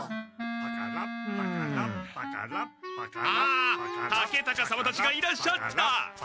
あ竹高様たちがいらっしゃった。